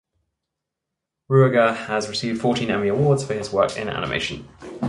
Ruegger has received fourteen Emmy Awards for his work in animation.